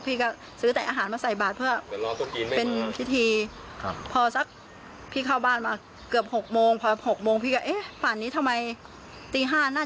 พี่ก็ซื้อแต่อาหารมาใส่บาทเพื่อเป็นพิธี